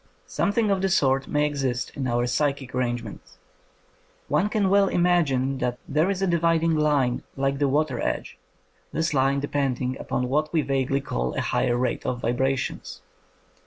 Something of the sort may exist in our psychic arrangements. One can well imag ine that there is a dividing line, like the water edge, this line depending upon what we vaguely call a higher rate of vibrations.